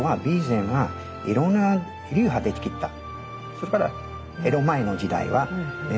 それから江戸前の時代はね